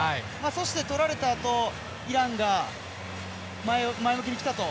そして、とられたあとイランが前向きに来たと。